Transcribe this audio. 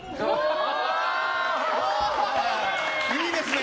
いいですね！